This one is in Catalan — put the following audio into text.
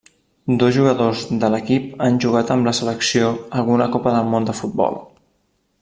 Dos jugadors de l'equip han jugat amb la selecció alguna Copa del Món de futbol.